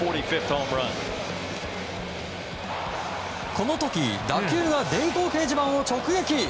この時打球が電光掲示板を直撃！